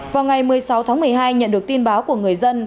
vào ngày một mươi sáu tháng một mươi hai nhận được tin báo của người dân